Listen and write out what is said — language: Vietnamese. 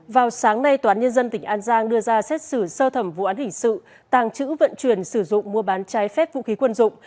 vào sáng nay tòa án nhân dân tỉnh an giang đưa ra xét xử sơ thẩm vụ án hình sự tàng trữ vận chuyển sử dụng mua bán trái phép vũ khí quân dụng